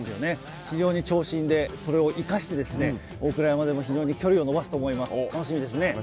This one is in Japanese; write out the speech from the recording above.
非常に長身で、それを生かして大倉山でも非常に距離を延ばすと思います、楽しみです。